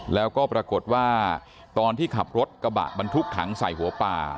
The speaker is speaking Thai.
แล้วก็ปรากฏว่าตอนที่ขับรถกระบะบรรทุกถังใส่หัวป่า